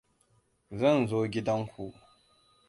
Zan zo gidanku.